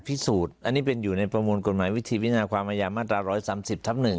พิสูจน์อันนี้เป็นอยู่ในประมวลกฎหมายวิธีวิทธิ์วิทธิ์